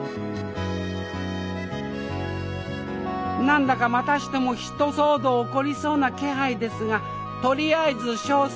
何だかまたしても一騒動起こりそうな気配ですがとりあえず小生も一句。